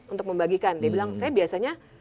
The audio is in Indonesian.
untuk membagikan dia bilang saya biasanya